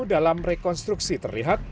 dalam rekonstruksi terlihat